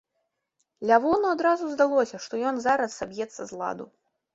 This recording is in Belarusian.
Лявону адразу здалося, што ён зараз саб'ецца з ладу.